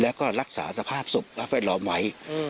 แล้วก็รักษาสภาพศพแล้วไปล้อมไว้